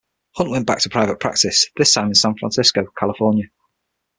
Hunt went back to private practice, this time in San Francisco, California.